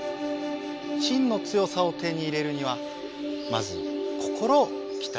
しんの強さを手に入れるにはまず心をきたえるんだ。